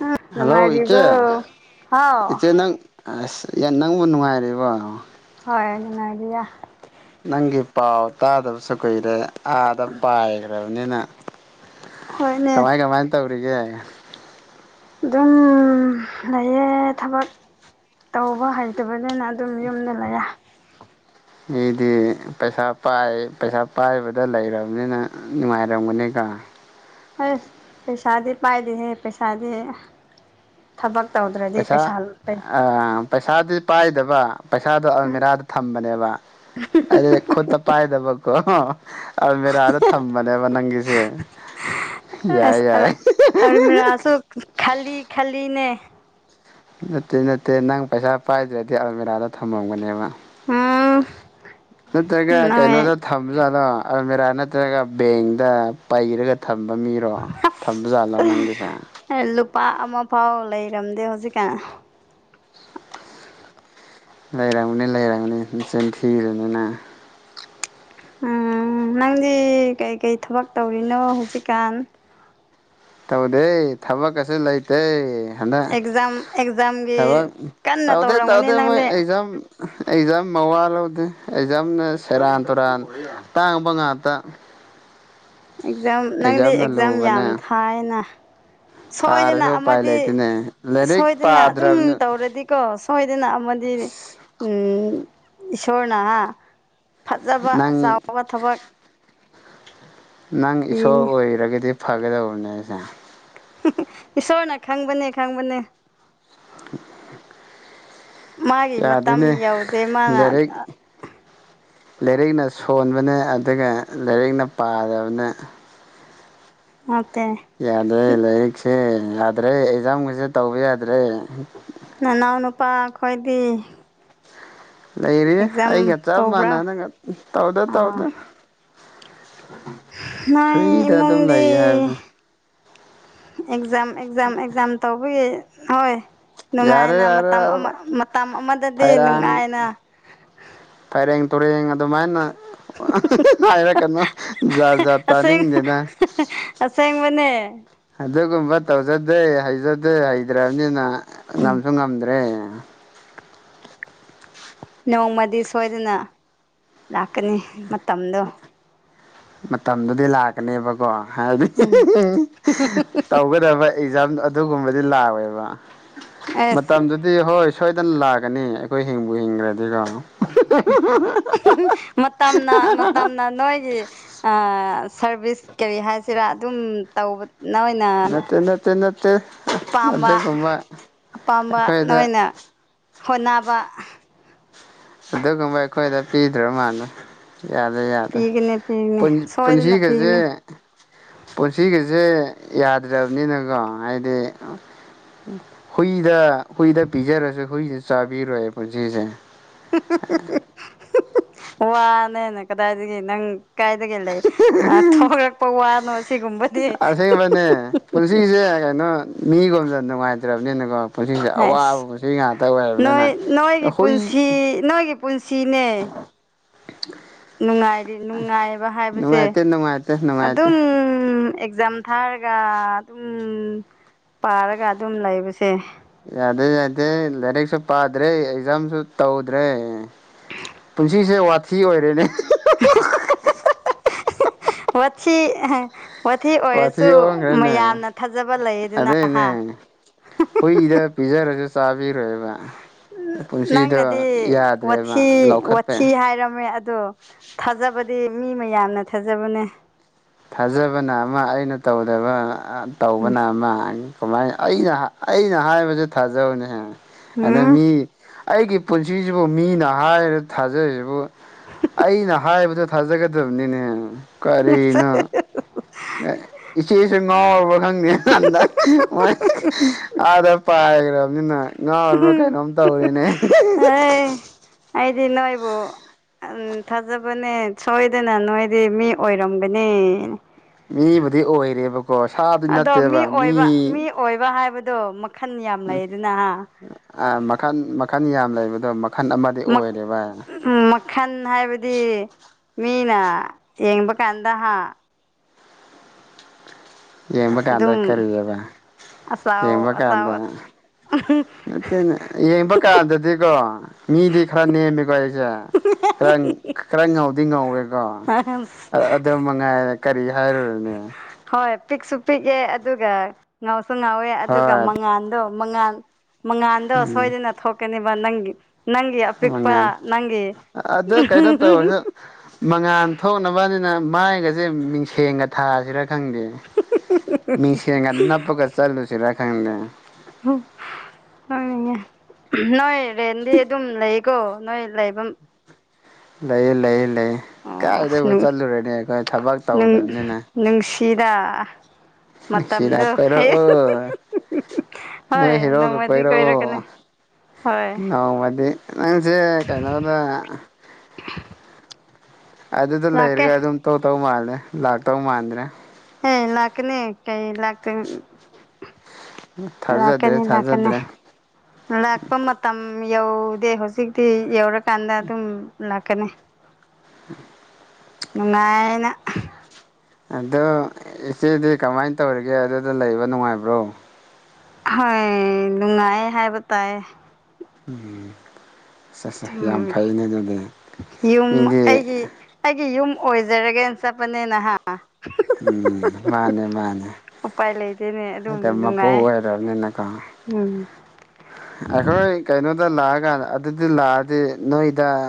ꯑ ꯍꯜꯂꯣ ꯅꯨꯡꯉꯥꯏꯔꯤꯕꯣ ꯏꯆꯦ ꯍꯥꯎ ꯏꯆꯦ ꯅꯪ ꯑꯁ ꯌꯥ ꯅꯪꯕꯨ ꯅꯨꯡꯉꯥꯏꯔꯤꯕꯣ ꯍꯣꯏ ꯅꯨꯡꯉꯥꯏꯔꯤꯌꯦ ꯅꯪꯒꯤ ꯄꯥꯎ ꯇꯥꯗꯕꯁꯨ ꯀꯨꯏꯔꯦ ꯑꯥꯗ ꯄꯥꯏꯒ꯭ꯔꯕꯅꯤꯅ ꯍꯣꯏꯅꯦ ꯀꯃꯥꯏ ꯀꯃꯥꯏꯟ ꯇꯧꯔꯤꯒꯦ ꯑꯗꯨꯝ ꯂꯩꯌꯦ ꯊꯕꯛ ꯇꯧꯕ ꯍꯩꯇꯕ ꯅꯤꯅ ꯑꯗꯨꯝ ꯌꯨꯝꯗ ꯂꯩꯌꯦ ꯃꯤꯗꯤ ꯄꯩꯁꯥ ꯄꯥꯏ ꯄꯩꯁꯥ ꯄꯥꯏꯕꯗ ꯂꯩꯔꯕꯅꯤꯅ ꯅꯨꯡꯉꯥꯏꯔꯝꯒꯅꯤ ꯀ ꯑꯥ ꯍꯩꯁ ꯄꯩꯁꯥꯗꯤ ꯄꯥꯏꯗꯦꯍꯦ ꯄꯩꯁꯥꯗꯤ ꯊꯕꯛ ꯄꯩꯁꯥ ꯑ ꯄꯩꯁꯥꯗꯤ ꯄꯥꯏ ꯗꯕ ꯄꯩꯁꯥꯗꯣ ꯑꯜꯃꯤꯔꯥꯗ ꯊꯝꯕꯅꯦꯕ ꯑꯥꯏꯗꯤ ꯈꯨꯠꯇ ꯄꯥꯏꯗꯕ ꯀꯣ ꯑꯜꯃꯤꯔꯥꯗ ꯊꯝꯕꯅꯦꯕ ꯅꯪꯒꯤꯁꯦ ꯑꯁ ꯌꯥꯏ ꯑꯜꯂꯥ ꯌꯥꯏ ꯑꯔꯃꯤꯔꯥꯁꯨ ꯈꯥꯂꯤ ꯈꯥꯂꯤꯅꯦ ꯅꯠꯇꯦ ꯅꯠꯇꯦ ꯅꯪ ꯄꯩꯁꯥ ꯄꯥꯏꯗ꯭ꯔꯗꯤ ꯑꯜꯃꯦꯔꯥꯗ ꯊꯝꯃꯝꯒꯅꯦꯕ ꯍꯥꯎ ꯅꯠꯇ꯭ꯔꯒ ꯀꯩꯅꯣꯗ ꯊꯝꯖꯥꯠꯂꯣ ꯑꯜꯃꯤꯔꯥ ꯅꯠꯇ꯭ꯔꯒ ꯕꯦꯡꯗ ꯄꯩꯔꯒ ꯊꯝꯕ ꯃꯤꯔꯣ ꯊꯝꯕꯖꯥꯠꯂꯥ ꯅꯪꯒꯤꯁꯦ ꯂꯨꯄꯥ ꯑꯃ ꯐꯥꯎ ꯂꯩꯔꯝꯗꯦ ꯍꯧꯖꯤꯛꯀꯥꯟ ꯂꯩꯔꯝꯒꯅꯤ ꯂꯩꯔꯝꯒꯅꯤ ꯅꯆꯤꯟꯊꯤꯒꯅꯨ ꯅꯪ ꯎꯝ ꯅꯪꯗꯤ ꯀꯩꯀꯩ ꯊꯕꯛ ꯇꯧꯔꯤꯅꯣ ꯍꯧꯖꯤꯛꯀꯥꯟ ꯇꯧꯗꯦ ꯊꯕꯛ ꯀꯁꯨ ꯂꯩꯇꯦ ꯍꯗꯛ ꯑꯦꯛꯖꯥꯝ ꯑꯦꯛꯖꯥꯝꯒꯤ ꯊꯕꯛ ꯀꯟꯅ ꯇꯧꯗꯦ ꯇꯧꯔꯝꯒꯅꯤ ꯇꯧꯗꯦ ꯃꯣꯏ ꯅꯪꯗꯤ ꯑꯦꯖꯝ ꯑꯩꯖꯥꯝ ꯃꯋꯥ ꯂꯧꯗꯦ ꯑꯦꯖꯝꯅ ꯁꯦꯔꯥꯟ ꯇꯨꯔꯥꯟ ꯇꯥꯡꯕ ꯉꯥꯛꯇ ꯑꯦꯛꯖꯥꯝ ꯅꯪꯗꯤ ꯑꯦꯛꯖꯥꯝꯅ ꯑꯦꯛꯖꯥꯝ ꯌꯥꯝ ꯂꯨꯕꯅꯦ ꯊꯥꯏꯅ ꯁꯣꯏꯗꯅ ꯊꯥꯔꯁꯨ ꯎꯄꯥꯏ ꯑꯃꯗꯤ ꯂꯩꯇꯦꯅꯦ ꯂꯥꯏꯔꯤꯛ ꯁꯣꯏꯗꯅ ꯑꯗꯨꯝ ꯄꯥꯗ꯭ꯔꯕꯅ ꯇꯧꯔꯗꯤꯀꯣ ꯁꯣꯏꯗꯅ ꯑꯃ ꯗꯤ ꯎꯝ ꯏꯁꯣꯔꯅ ꯍ ꯐꯖꯕ ꯅꯪ ꯆꯥꯎꯕ ꯊꯕꯛ ꯅꯪ ꯏꯁꯣꯔ ꯄꯤꯅꯤ ꯑꯣꯏꯔꯒꯗꯤ ꯐꯒꯗꯧꯕꯅꯦ ꯑꯩꯁꯦ ꯏꯁꯣꯔꯅ ꯈꯪꯕꯅꯦ ꯈꯪꯕꯅꯦ [unintelligible] ꯃꯥꯒꯤ ꯃꯇꯝ ꯌꯥꯗꯦꯅꯦ ꯌꯧꯗꯦ ꯃꯥꯅ ꯂꯥꯏꯔꯤꯛ ꯂꯥꯏꯔꯛꯅ ꯁꯣꯟꯕꯅꯦ ꯑꯗꯨꯒ ꯂꯥꯏꯔꯛꯅ ꯄꯥꯗꯕꯅꯦ ꯑ ꯌꯥꯗ꯭ꯔꯦ ꯂꯥꯏꯔꯤꯛꯁꯦ ꯌꯥꯗ꯭ꯔꯦ ꯑꯦꯛꯖꯥꯝꯒꯁꯦ ꯇꯧꯕ ꯌꯥꯗ꯭ꯔꯦ ꯅꯅꯥꯎ ꯅꯨꯨꯄꯥ ꯈꯣꯏꯗꯤ ꯂꯩꯔꯤꯌꯦ ꯑꯦꯛꯖꯥꯝ ꯑꯩꯒ ꯆꯞ ꯇꯧꯕ꯭ꯔꯥ ꯃꯥꯟꯅꯅꯒ ꯇꯧꯗꯦ ꯑꯥ ꯇꯧꯗꯦ ꯅꯣꯏ ꯐ꯭ꯔꯤꯗ ꯑꯗꯨꯝ ꯏꯃꯨꯡꯗꯤ ꯂꯩꯌꯦ ꯍꯥꯏꯕꯅꯦ ꯑꯦꯛꯖꯥꯝ ꯑꯦꯛꯖꯥꯝ ꯑꯦꯛꯖꯥꯝ ꯇꯧꯕꯒꯤ ꯍꯣꯏ ꯌꯥꯔꯦ ꯅꯨꯡꯉꯥꯏꯅ ꯌꯥꯔꯦ ꯃꯇꯝ ꯑꯃ ꯃꯇꯝ ꯑꯃꯗꯗꯤ ꯐꯩꯔꯥꯡ ꯅꯨꯡꯉꯥꯏꯅ ꯐꯩꯔꯦꯡ ꯇꯨꯔꯦꯡ ꯑꯗꯨ ꯃꯥꯏꯅ ꯍꯥꯏꯔ ꯀꯅꯣ ꯖꯥꯠ ꯖꯥꯠ ꯇꯥꯅꯤꯡꯗꯦꯗ ꯑꯁꯦꯡ ꯕꯅꯦ ꯑꯗꯨꯒꯨꯝꯕ ꯇꯧꯖꯗꯦ ꯍꯩꯖꯗꯦ ꯍꯩꯇ꯭ꯔꯕꯅꯤꯅ ꯎꯝ ꯉꯝꯁꯨ ꯉꯝꯗ꯭ꯔꯦ ꯎꯝ ꯅꯣꯡꯃꯗꯤ ꯁꯣꯏꯗꯅ ꯂꯥꯛꯀꯅꯤ ꯃꯇꯝꯗꯣ ꯃꯇꯝꯗꯨꯗꯤ ꯂꯥꯛꯀꯅꯦꯕꯀꯣ ꯍꯥꯏꯗꯤ ꯎꯝ ꯇꯧꯒꯗꯕ ꯑꯦꯛꯖꯥꯝ ꯑꯗꯨꯒꯨꯝꯕꯗꯤ ꯂꯥꯛꯑꯣꯏꯕ ꯑꯦꯁ ꯃꯇꯝꯗꯨꯗꯤ ꯍꯣꯏ ꯁꯣꯏꯗꯅ ꯂꯥꯛꯀꯅꯤ ꯑꯩꯈꯣꯏ ꯍꯤꯡꯕꯨ ꯍꯤꯡꯈ꯭ꯔꯗꯤ ꯀꯣ ꯃꯇꯝꯅ ꯃꯇꯝꯅ ꯅꯣꯏꯒꯤ ꯑꯥ ꯁꯥꯔꯚꯤꯁ ꯀꯔꯤ ꯍꯥꯏꯁꯤꯔꯥ ꯑꯗꯨꯝ ꯇꯧꯕ ꯅꯣꯏꯅ ꯅꯠꯇꯦ ꯅꯠꯇꯦ ꯅꯠꯇꯦ ꯑꯄꯥꯝꯕ ꯑꯗꯨꯒꯨꯝꯕ ꯑꯄꯥꯝꯕ ꯑꯩꯈꯣꯏꯗ ꯅꯣꯏꯅ ꯍꯣꯠꯅꯕ ꯑꯗꯨꯒꯨꯝꯕ ꯑꯩꯈꯣꯏꯗ ꯄꯤꯗ꯭ꯔ ꯃꯥꯅꯦ ꯌꯥꯗꯦ ꯌꯥꯗꯦ ꯄꯤꯒꯅꯤ ꯄꯤꯒꯅꯤ ꯄꯨꯟ ꯁꯣꯏꯗꯅ ꯄꯨꯟꯁꯤꯒꯁꯦ ꯄꯤꯒꯅꯤ ꯄꯨꯟꯁꯤꯒꯁꯦ ꯌꯥꯗ꯭ꯔꯕꯅꯤꯅꯀꯣ ꯍꯥꯏꯗꯤ ꯍꯨꯏꯗ ꯍꯨꯏꯗ ꯄꯤꯖꯔꯁꯨ ꯍꯨꯏꯗ ꯆꯥꯕꯤꯔꯣꯏ ꯄꯨꯟꯁꯤꯁꯦ ꯋꯥꯅꯦꯅꯦ ꯀꯗꯥꯏꯗꯒꯤ ꯅꯪ ꯀꯥꯏꯗꯒꯤ ꯂꯩ ꯊꯣꯛꯂꯛꯄ ꯋꯥꯅꯣ ꯁꯤꯒꯨꯝꯕ ꯑꯁꯦꯡꯕꯅꯦ ꯄꯨꯟꯁꯤꯁꯦ ꯀꯩꯅꯣ ꯃꯤꯒꯣꯝꯗ ꯅꯨꯡꯉꯥꯏꯇ꯭ꯔꯕꯅꯤꯅꯀꯣ ꯄꯨꯟꯁꯤꯁꯦ ꯑꯁ ꯑꯋꯥꯕ ꯄꯨꯟꯁꯤ ꯉꯥꯛꯇ ꯅꯣꯏ ꯑꯣꯏꯔꯕꯅꯤꯅ ꯅꯣꯏꯒꯤ ꯑꯩꯈꯣꯏ ꯄꯨꯟꯁꯤ ꯅꯣꯏꯒꯤ ꯄꯨꯟꯁꯤꯅꯦ [inaudible] ꯅꯨꯡꯉꯥꯏꯔꯤ ꯅꯨꯡꯉꯥꯏꯕ ꯍꯥꯏꯕꯁꯦ ꯅꯨꯡꯉꯥꯏꯇꯦ ꯅꯨꯡꯉꯥꯏꯇꯦ ꯅꯨꯡꯉꯥꯏꯇꯦ ꯑꯗꯨꯝ ꯑꯦꯛꯖꯥꯝ ꯊꯥꯔꯒ ꯑꯗꯨꯝ ꯄꯥꯔꯒ ꯑꯗꯨꯝ ꯂꯩꯕꯁꯦ ꯌꯥꯗꯦ ꯌꯥꯗꯦ ꯂꯥꯏꯔꯤꯛꯁꯨ ꯄꯥꯗ꯭ꯔꯦ ꯑꯦꯛꯖꯥꯝꯁꯨ ꯇꯧꯗ꯭ꯔꯦ ꯄꯨꯟꯁꯤꯁꯦ ꯋꯥꯊꯤ ꯑꯣꯏꯔꯦꯅꯦ ꯍꯤꯍꯤꯍꯤ ꯑꯍꯤꯍꯤꯍꯤꯍꯤꯍꯤ ꯋꯥꯊꯤ ꯋꯥꯊꯤ ꯋꯥꯊꯤ ꯑꯣꯏꯔꯁꯨ ꯑꯣꯟꯈ꯭ꯔꯦꯅꯦ ꯃꯌꯥꯝꯅ ꯊꯥꯖꯕ ꯂꯩ ꯑꯗꯨꯅ ꯑꯍ ꯍꯣꯏ ꯗ ꯄꯤꯖꯥꯔꯒ ꯈꯦꯕ ꯅꯪꯅꯗꯤ ꯋꯥꯊꯤ ꯂꯧꯈꯠꯄ ꯋꯥꯊꯤ ꯍꯥꯏꯔꯝꯃꯦ ꯑꯗꯣ ꯊꯥꯖꯕꯗꯤ ꯃꯤ ꯃꯌꯥꯝꯅ ꯊꯥꯖꯕꯅꯦ ꯊꯥꯖꯕꯅ ꯑꯃ ꯑꯩꯅ ꯇꯧꯗꯕ ꯇꯧꯕꯅ ꯑꯃ ꯀꯃꯥꯏꯅ ꯑꯩꯅ ꯑꯩꯅ ꯍꯥꯏꯕꯁꯦ ꯊꯥꯖꯕꯅꯦ ꯑꯗ ꯎꯝ ꯃꯤ ꯑꯩꯒꯤ ꯄꯨꯟꯁꯤꯁꯤꯕꯨ ꯃꯤꯅ ꯍꯥꯏꯔ ꯊꯥꯖꯔꯤꯁꯤꯕꯨ ꯑꯩꯅ ꯍꯥꯏꯕꯗ ꯊꯥꯖꯒꯗꯕꯅꯤꯅꯦ ꯀꯔꯤꯅꯣ [unintelligible] ꯏꯆꯦꯁꯨ ꯉꯥꯎꯔꯕ ꯈꯪꯗꯦ ꯍꯟꯗꯛ ꯃꯣꯏ ꯑꯥꯗ ꯄꯥꯏ ꯍꯥꯏꯈ꯭ꯔꯕꯅꯤꯅ ꯉꯥꯔꯕ꯭ꯔꯥ ꯀꯩꯅꯣꯝ ꯇꯧꯔꯦꯅꯦ ꯑꯍꯤꯍꯤꯍꯤ ꯈꯤꯈꯤꯈꯤ ꯑꯩ ꯑꯩꯗꯤ ꯅꯣꯏꯕꯨ ꯎꯝ ꯊꯥꯖꯕꯅꯦ ꯁꯣꯏꯗꯅ ꯅꯣꯏꯗꯤ ꯃꯤ ꯑꯣꯏꯔꯝꯒꯅꯤ ꯃꯤꯕꯨꯗꯤ ꯑꯣꯏꯔꯦꯕꯀꯣ ꯁꯥꯗꯤ ꯑꯗꯣ ꯅꯠꯇꯦꯕ ꯃꯤ ꯑꯣꯏꯕ ꯑꯣꯏꯕ ꯍꯥꯏꯕꯗꯣ ꯃꯈꯜ ꯌꯥꯝ ꯎꯝ ꯂꯩꯗꯅ ꯑꯥ ꯃꯈꯜ ꯃꯈꯜ ꯌꯥꯝ ꯂꯩꯕꯗꯣ ꯃꯈꯜ ꯑꯃꯗꯤ ꯃꯛ ꯑꯣꯏꯔꯦ ꯚꯥꯏ ꯃꯈꯜ ꯍꯥꯏꯕꯗꯤ ꯃꯤꯅꯥ ꯌꯦꯡꯕ ꯀꯥꯟꯗ ꯍꯥ ꯌꯦꯡꯕ ꯀꯥꯟꯗ ꯑꯗꯨꯝ ꯀꯔꯤꯑꯕ ꯑꯆꯥꯎ ꯌꯦꯡꯕ ꯀꯥꯟꯗ ꯑꯆꯥꯎ ꯅꯠꯇꯦꯅꯦ ꯌꯦꯡꯕ ꯀꯥꯟꯗꯗꯤꯀꯣ ꯃꯤꯗꯤ ꯈꯔ ꯅꯦꯝꯃꯤꯀꯣ ꯁꯦꯔ ꯈꯔ ꯉꯥꯎꯗꯤ ꯉꯧꯋꯦꯀꯣ ꯑꯗꯨ ꯃꯉꯥꯏꯔꯦ ꯀꯔꯤ ꯍꯥꯏꯔꯨꯔꯦꯅꯦ ꯍꯣꯏ ꯄꯤꯛꯁꯨ ꯄꯤꯛꯑꯦ ꯑꯗꯨꯒ ꯉꯥꯎꯁꯨ ꯉꯥꯎꯋꯦ ꯑꯗꯨꯒ ꯍꯣꯏ ꯃꯉꯥꯜꯗꯣ ꯃꯉꯥꯜ ꯃꯉꯥꯥꯟꯗꯣ ꯁꯣꯏꯗꯅ ꯊꯣꯛꯀꯅꯤꯕ ꯅꯪꯒꯤ ꯅꯪꯒꯤ ꯑꯄꯤꯛꯄꯥ ꯃꯉꯥꯜ ꯅꯪꯒꯤ ꯎꯝꯍꯤꯍꯤ ꯃꯉꯥꯥꯟ ꯊꯣꯛꯅꯕꯅꯤꯅ ꯃꯥꯏꯒꯁꯦ ꯃꯤꯡꯁꯦꯡꯒ ꯊꯥꯁꯤꯔ ꯈꯪꯗꯦ ꯃꯤꯡꯁꯦꯜꯒ ꯅꯄꯒ ꯆꯜꯂꯨꯁꯤꯔ ꯈꯪꯗꯦ ꯅꯣꯏ ꯔꯦꯟꯗꯤ ꯑꯗꯨꯝ ꯂꯩꯀꯣ ꯅꯣꯏ ꯂꯩꯕꯝ ꯂꯩꯌꯦ ꯂꯩꯌꯦ ꯂꯩ ꯑꯣ ꯑꯁ ꯀꯥꯏꯗꯒꯤꯕꯨ ꯅꯨꯡ ꯆꯠꯂꯨꯔꯅꯤ ꯑꯩꯈꯣꯏ ꯊꯕꯛ ꯅꯨꯡ ꯇꯧꯗꯕꯅꯤꯅ ꯅꯨꯡꯁꯤꯗ ꯁꯤꯗꯥ ꯃꯇꯝꯗꯣ ꯀꯥꯔꯛꯑꯣ ꯍꯣꯏ ꯅꯣꯏ ꯍꯦꯔꯣꯒ ꯅꯣꯡꯃꯗꯤ ꯀꯣꯏꯔꯛꯀꯅꯤ ꯀꯣꯏꯔꯛꯑꯣ ꯍꯣꯏ ꯅꯣꯡꯃꯗꯤ ꯅꯪꯁꯦ ꯀꯩꯅꯣꯗ ꯑꯗꯨꯗ ꯂꯥꯛꯀꯦ ꯂꯩꯔꯒ ꯑꯗꯨꯝ ꯇꯧ ꯇꯧ ꯃꯥꯜꯂꯦ ꯂꯥꯛꯇꯧ ꯃꯥꯟꯗ꯭ꯔꯦ ꯀꯩꯅ ꯂꯥꯛꯀꯅꯤ ꯀꯩ ꯂꯥꯛꯇꯨꯝ ꯊꯥꯖꯗ꯭ꯔꯦ ꯂꯥꯛꯀꯅꯤ ꯂꯥꯛꯀꯅꯤ ꯊꯥꯖꯗ꯭ꯔꯦ ꯂꯥꯛꯄ ꯃꯇꯝ ꯌꯧꯗꯦ ꯍꯨꯖꯤꯛꯇꯤ ꯌꯧꯔꯀꯥꯟꯗ ꯑꯗꯨꯝ ꯂꯥꯛꯀꯅꯤ ꯅꯨꯡꯉꯥꯏꯌꯦꯅ ꯑꯗꯣ ꯏꯆꯦꯗꯤ ꯀꯃꯥꯏꯟ ꯇꯧꯔꯤꯒꯦ ꯑꯗꯨꯗ ꯂꯩꯕ ꯅꯨꯡꯉꯥꯏꯕ꯭ꯔꯣ ꯍꯣꯏ ꯅꯨꯡꯉꯥꯏꯌꯦ ꯍꯥꯏꯕ ꯇꯥꯏꯌꯦ ꯎꯝ ꯑꯊꯨꯝ ꯑꯦ ꯌꯨꯝ ꯃꯤꯗꯤ ꯑꯩꯒꯤ ꯑꯩꯒꯤ ꯌꯨꯝ ꯑꯣꯏꯖꯔꯒꯦꯅ ꯆꯠꯄꯅꯦꯅ ꯍꯥ ꯎꯝ ꯃꯥꯅꯦ ꯃꯥꯅꯦ ꯎꯄꯥꯏ ꯂꯩꯇꯦꯅꯦ ꯑꯗꯨꯝ ꯍꯣꯏꯗ ꯃꯄꯣ ꯅꯨꯡꯉꯥꯏ ꯑꯣꯏꯔꯝꯅꯤꯅ ꯀꯣ ꯎꯝ ꯑꯩꯈꯣꯏ ꯀꯩꯅꯣꯗ ꯂꯥꯛꯑꯀꯥꯟꯗ ꯑꯗꯨꯗꯤ ꯂꯥꯛꯑꯗꯤ ꯅꯣꯏꯗ ꯑ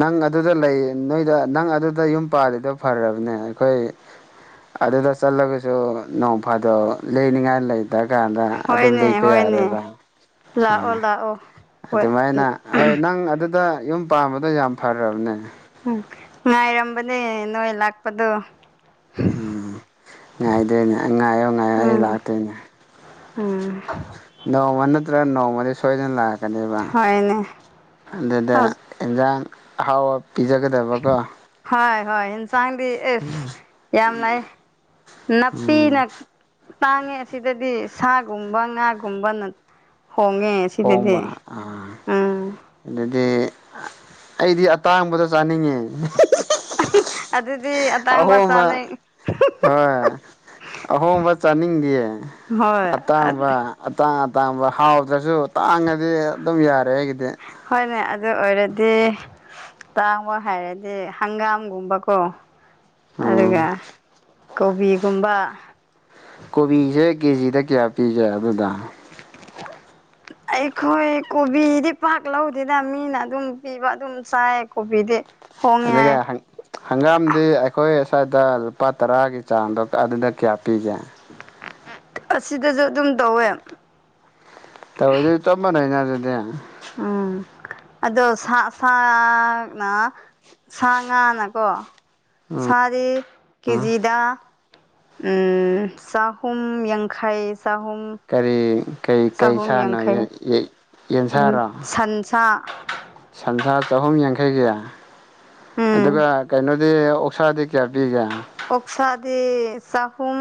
ꯅꯪ ꯑꯗꯨꯗ ꯂꯩ ꯅꯣꯏꯗ ꯅꯪ ꯑꯗꯨꯗ ꯌꯨꯝ ꯄꯥꯜꯂꯤꯗꯣ ꯐꯔꯕꯅꯦ ꯑꯩꯈꯣꯏ ꯑꯗꯨꯗ ꯆꯠꯂꯒꯁꯨ ꯅꯣꯡ ꯐꯥꯗꯣꯛ ꯂꯩꯅꯤꯡꯉꯥꯏ ꯂꯩꯇ ꯀꯥꯟꯗ ꯑꯗꯨꯝ ꯍꯣꯏꯅꯦ ꯂꯩꯕ ꯍꯣꯏꯅꯦ ꯌꯥꯔꯦꯕ ꯑ ꯂꯥꯛꯑꯣ ꯂꯥꯛꯑꯣ ꯍꯣꯏ ꯑꯗꯨꯃꯥꯏꯅ ꯍꯣꯏ ꯅꯪ ꯑꯗꯨꯗ ꯌꯨꯝ ꯄꯥꯝꯕꯗꯣ ꯌꯥꯝ ꯐꯔꯕꯅꯦ ꯎꯝ ꯉꯥꯏꯔꯝꯕꯅꯦ ꯅꯣꯏ ꯂꯥꯛꯄꯗꯣ ꯎꯝ ꯉꯥꯏꯗꯣꯏꯅꯦ ꯉꯥꯏꯌꯣ ꯉꯥꯏꯌꯣ ꯑꯩ ꯎꯝ ꯂꯥꯛꯇꯨꯏꯅꯦ ꯎꯝ ꯅꯣꯡꯃ ꯅꯇ꯭ꯔꯒ ꯅꯣꯡꯃꯗꯤ ꯁꯣꯢꯗꯅ ꯂꯥꯛ ꯀꯅꯤꯕ ꯍꯣꯏꯅꯦ ꯑꯗꯨꯗ ꯏꯟꯖꯥꯡ ꯑꯍꯥꯎꯕ ꯄꯤꯖꯒꯗꯕꯒꯣ ꯍꯣꯏ ꯍꯣꯏ ꯑꯦꯟꯁꯥꯡꯗꯤ ꯑꯦꯁ ꯌꯥꯝ ꯂꯩꯌꯦ ꯎꯝ ꯅꯥꯄꯤꯅ ꯇꯥꯡꯉꯦ ꯑꯁꯤꯗꯗꯤ ꯁꯥꯒꯨꯝꯕ ꯉꯥꯒꯨꯝꯕꯅ ꯍꯣꯡꯉꯦ ꯁꯤꯗꯗꯤ ꯍꯣꯡꯕ ꯎꯝ ꯑꯦ ꯑꯩꯗꯤ ꯑꯇꯥꯡꯕꯗꯣ ꯆꯥꯅꯤꯡꯉꯦ ꯑꯗꯨꯗꯤ ꯑꯇꯥꯡꯕ ꯑꯍꯨꯝꯃꯛ ꯆꯥꯅꯩ ꯍꯣꯢ ꯑꯍꯣꯡꯕ ꯆꯥꯅꯤꯡꯗꯤꯌꯦ ꯍꯣꯏ ꯑꯇꯥꯡꯕ ꯑꯇꯥꯡ ꯑ ꯇꯥꯡꯕ ꯍꯥꯎꯗ꯭ꯔꯁꯨ ꯇꯥꯡꯉꯗꯤ ꯑꯗꯨꯝ ꯌꯥꯔꯦ ꯑꯩꯒꯤꯗꯤ ꯍꯣꯏꯅꯦ ꯑꯗꯨ ꯑꯣꯏꯔꯗꯤ ꯇꯥꯡꯕ ꯍꯥꯏꯔꯗꯤ ꯍꯪꯒꯥꯝꯒꯨꯝꯕꯀꯣ ꯑꯗꯨꯒ ꯎꯝ ꯀꯣꯕꯤꯒꯨꯝꯕ ꯀꯣꯕꯤꯁꯦ ꯀꯦꯖꯤꯗ ꯀꯌꯥ ꯄꯤꯒꯦ ꯑꯗꯨꯗ [inaudible] ꯑꯩꯈꯣꯏ ꯀꯣꯕꯤꯗꯤ ꯄꯥꯛ ꯂꯧꯗꯦꯗ ꯃꯤꯅ ꯑꯗꯨꯝ ꯄꯤꯕ ꯑꯗꯨꯝ ꯆꯥꯏꯌꯦ ꯀꯣꯕꯤꯗꯤ ꯍꯣꯡꯉꯦ ꯑꯗꯨꯒ ꯍꯥꯏ ꯍꯪ ꯍꯪꯒꯥꯝꯗꯤ ꯑꯩꯈꯣꯏ ꯁ꯭ꯋꯥꯏꯗ ꯂꯨꯄꯥ ꯇꯔꯥꯒꯤ ꯆꯥꯡꯗꯣ ꯑꯗꯨꯗ ꯀꯌꯥ ꯄꯤꯒꯦ ꯑꯁꯤꯗꯁꯨ ꯑꯗꯨꯝ ꯇꯧꯋꯦ ꯇꯧꯔꯗꯤ ꯆꯞ ꯆꯥꯟꯅꯩꯅ ꯑꯗꯨꯗꯤ ꯎꯝ ꯑꯗꯣ ꯁꯥ ꯁꯥꯅ ꯁꯥ ꯉꯥꯅꯀꯣ ꯎꯝ ꯁꯥꯔꯦ ꯀꯦꯖꯤꯗ ꯎꯝ ꯆꯥꯍꯨꯝ ꯌꯥꯡꯈꯩ ꯆꯍꯨꯝ ꯀꯔꯤ ꯀꯩ ꯀꯩ ꯆꯍꯨꯝ ꯁꯥꯥꯅꯣ ꯌꯦꯟ ꯌꯥꯡꯈꯩ ꯌꯦ ꯑꯗꯨꯝ ꯌꯦꯟꯁꯥꯔꯣ ꯁꯟꯁꯥ ꯁꯟꯁꯥ ꯆꯍꯨꯝ ꯌꯥꯡꯈꯩꯒꯤ ꯎꯝ ꯑꯗꯨꯒ ꯀꯩꯅꯣꯗꯤ ꯑꯣꯛꯁꯥꯗꯤ ꯀꯌꯥ ꯄꯤꯒꯦ ꯑꯣꯛꯁꯥꯗꯤ ꯆꯍꯨꯝ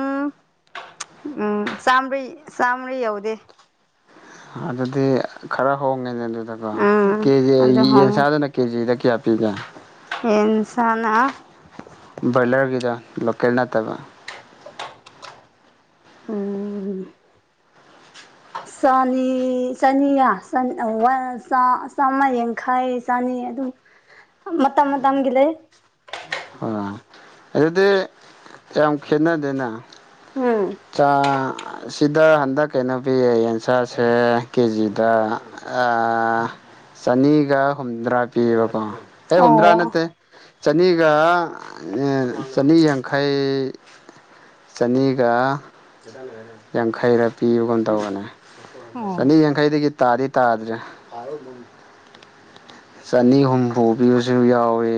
ꯎꯝ ꯆꯥꯝꯕꯔꯤ ꯆꯥꯝꯕꯔꯤ ꯌꯧꯗꯦ ꯑꯗꯨꯗꯤ ꯈꯔ ꯍꯣꯡꯉꯦꯅꯦ ꯑꯗꯨꯗꯀꯣ ꯎꯝ ꯀꯦꯖꯤ ꯑꯗꯨ ꯌꯦꯟꯁꯥꯗꯅ ꯀꯦꯖꯤꯗ ꯀꯌꯥ ꯄꯤꯒꯦ ꯌꯦꯟꯁꯅꯥ ꯕꯣꯏꯂꯔꯒꯤꯗ ꯂꯣꯀꯦꯜ ꯅꯠꯇꯕ ꯎꯝ ꯆꯥꯅꯤ ꯆꯥꯅꯤꯌꯥ ꯋꯥꯟ ꯆꯥ ꯆꯥꯝꯌꯥꯡꯈꯩ ꯆꯥꯅꯤ ꯑꯗꯨ ꯃꯇꯝ ꯃꯇꯝꯒꯤ ꯂꯩ ꯑ ꯑꯗꯨꯗꯤ ꯌꯥꯝ ꯈꯦꯠꯅꯗꯦꯅ ꯎꯝ ꯆꯥ ꯁꯤꯗ ꯍꯟꯗꯛ ꯀꯩꯅꯣ ꯄꯤꯌꯦ ꯌꯦꯟꯁꯥꯁꯦ ꯀꯦꯖꯤꯗ ꯑꯥ ꯆꯥꯅꯤꯒ ꯍꯨꯝꯗ꯭ꯔꯥ ꯄꯤꯌꯦꯕꯀꯣ ꯑꯦ ꯍꯨꯝꯗ꯭ꯔꯥ ꯑꯣ ꯅꯠꯇꯦ ꯆꯥꯅꯤꯒ ꯑꯥ ꯆꯥꯅꯤ ꯌꯥꯡꯈꯩ ꯆꯥꯅꯤꯒ ꯌꯥꯡꯈꯩꯔ ꯄꯤꯕꯒꯨꯝ ꯇꯧꯕꯅꯦ ꯑꯣ ꯆꯥꯅꯤ ꯌꯥꯡꯈꯩꯗꯒꯤ ꯇꯥꯗꯤ ꯇꯥꯗ꯭ꯔꯦ ꯆꯥꯅꯤ ꯍꯨꯝꯐꯨ ꯄꯤꯕꯁꯨ ꯌꯥꯎꯏ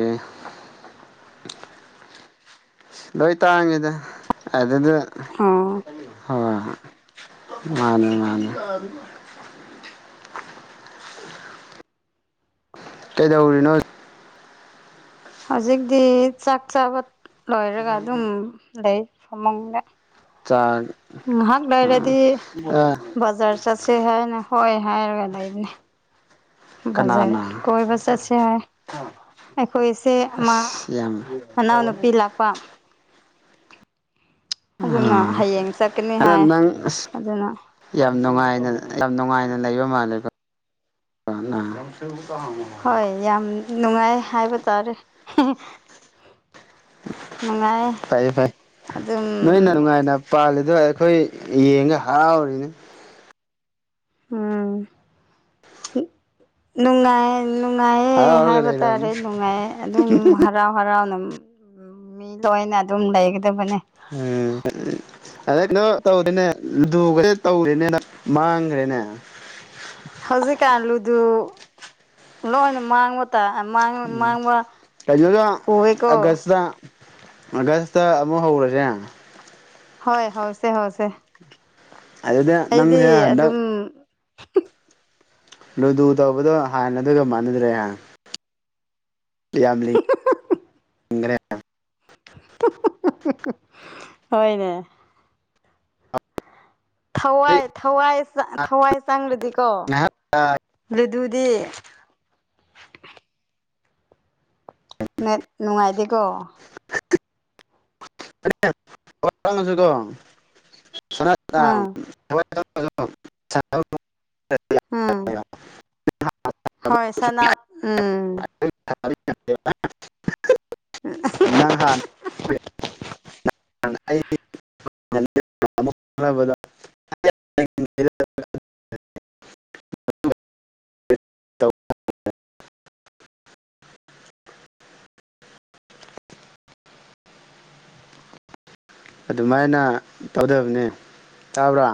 ꯂꯣꯏ ꯇꯥꯡꯉꯤꯗ ꯑꯗꯨꯗ ꯑꯣ ꯍꯣꯏ ꯍꯣꯏ ꯃꯥꯅꯦ ꯃꯥꯅꯦ ꯀꯩꯗꯧꯔꯤꯅꯣ ꯍꯧꯖꯤꯛꯇꯤ ꯆꯥꯛ ꯆꯥꯕ ꯂꯣꯏꯔꯒ ꯑꯗꯨꯝ ꯂꯩ ꯐꯃꯨꯡꯗ [unintelligible] ꯉꯥꯍꯥꯛ ꯂꯩꯔꯗꯤ ꯕꯖꯥꯔ ꯆꯠꯁꯦ ꯍꯥꯏꯅ ꯍꯣꯏ ꯍꯥꯏꯔꯒ ꯂꯩꯕꯅꯦ ꯕꯥꯖꯔ ꯀꯅꯥꯅ ꯀꯣꯏꯕ ꯆꯠꯁꯦ ꯍꯥꯏ ꯑꯩꯈꯣꯏꯁꯦ ꯑꯃ ꯑꯁ ꯌꯥꯝ ꯃꯅꯥꯎꯅꯨꯄꯤ ꯂꯥꯛꯄ ꯑꯗꯨꯅ ꯑꯥ ꯍꯌꯦꯡ ꯆꯠꯀꯅꯤ ꯑꯗꯣ ꯍꯥꯏ ꯅꯪ ꯑꯁ ꯑꯗꯨꯅ ꯌꯥꯝ ꯅꯨꯡꯉꯥꯏꯅ ꯌꯥꯝ ꯅꯨꯡꯉꯥꯏꯅ ꯂꯩꯕ ꯃꯥꯜꯂꯦꯀꯣ ꯅꯪ ꯍꯣꯏ ꯌꯥꯝ ꯅꯨꯡꯉꯥꯏ ꯍꯥꯏꯕ ꯇꯥꯔꯦ ꯅꯨꯡꯉꯥꯏ ꯐꯩꯌꯦ ꯐꯩ ꯑꯗꯨꯝ ꯅꯣꯏꯅ ꯅꯨꯡꯉꯥꯏꯅ ꯄꯥꯜꯂꯤ ꯗꯣ ꯑꯩꯈꯣꯏ ꯌꯦꯡꯉ ꯍꯔꯥꯎꯔꯤꯅꯤ ꯎꯝ ꯅꯨꯡꯉꯥꯏ ꯅꯨꯡꯉꯥꯏꯌꯦ ꯍꯔꯥꯎꯔꯒ ꯍꯥꯏꯕ ꯇꯥꯔꯦ ꯂꯩꯔꯕꯅꯤ ꯅꯨꯡꯉꯥꯏꯌꯦ ꯑꯗꯨꯝ ꯍꯔꯥꯎ ꯍꯔꯥꯎꯅ ꯃꯤ ꯂꯣꯏꯅ ꯑꯗꯨꯝ ꯂꯩꯒꯗꯕꯅꯦ ꯎꯝ [unintelligible] ꯍꯧꯖꯤꯛꯀꯥꯟ ꯂꯨꯗꯨ ꯂꯣꯏꯅ ꯃꯥꯡꯕ ꯃꯥꯡ ꯃꯥꯡꯕ ꯀꯩꯅꯣꯗ ꯎꯋꯦꯀꯣ ꯑꯥꯒꯁꯇ ꯑꯥꯒꯁꯇ ꯑꯃꯨꯛ ꯍꯧꯔꯁꯦ ꯍꯣꯏ ꯍꯧꯁꯦ ꯍꯧꯁꯦ ꯑꯗꯨꯗ ꯑꯩꯗꯤ ꯅꯪꯁꯦ ꯍꯟꯗꯛ ꯑꯗꯨꯝ ꯂꯨꯗꯨ ꯇꯧꯕꯗꯣ ꯍꯥꯟꯅ ꯗꯨꯒ ꯃꯥꯟꯅꯗ꯭ꯔꯦ ꯍꯥ [unintelligible] ꯍꯣꯏꯅꯦ ꯑꯩ ꯊꯋꯥꯏ ꯊꯋꯥꯏ ꯆ ꯊꯋꯥꯏ ꯆꯪꯔꯗꯤꯀꯣ ꯉꯥꯏꯍꯥꯛ ꯔꯨ ꯗꯨꯗꯤ ꯅꯨꯡꯉꯥꯏꯇꯦꯀꯣ [unintelligible] ꯑꯥ [unintelligible] ꯎꯝ ꯍꯣꯏ ꯁꯅꯞ ꯎꯝ [unintelligible] ꯅꯪ ꯍꯥꯟꯅ [unintelligible] [unintelligible] [inaudible] ꯑꯗꯨꯃꯥꯏꯅ ꯇꯧꯗꯕꯅꯦ ꯇꯥꯕ꯭ꯔ